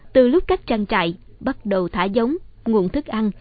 từ lúc các trang trại bắt đầu thả giống nguồn thức ăn